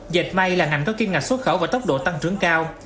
dệt may là ngành có kim ngạch xuất khẩu và tốc độ tăng trưởng cao